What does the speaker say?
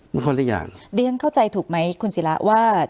มีคนละอย่างเดี๋ยวท่านเข้าใจถูกไหมคุณศิลาว่า